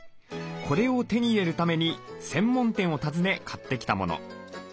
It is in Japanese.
これを手に入れるために専門店を訪ね買ってきたもの。